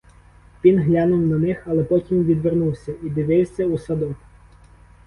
Він глянув на них, але потім відвернувся і дивився у садок.